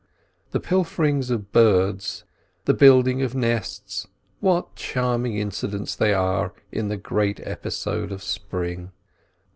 The pilferings of birds, the building of nests, what charming incidents they are in the great episode of spring!